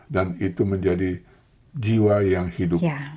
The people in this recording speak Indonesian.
dan itu menjadi jiwa yang hidup